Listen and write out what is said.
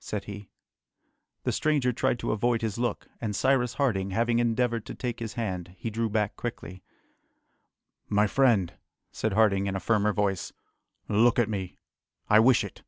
said he. The stranger tried to avoid his look, and Cyrus Harding, having endeavoured to take his hand, he drew back quickly. "My friend," said Harding in a firmer voice, "look at me, I wish it!"